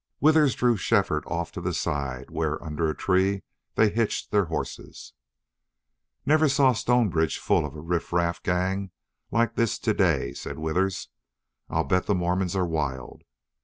Withers drew Shefford off to the side where, under a tree, they hitched their horses. "Never saw Stonebridge full of a riffraff gang like this to day," said Withers. "I'll bet the Mormons are wild.